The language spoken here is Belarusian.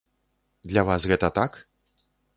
Для вас гэта так?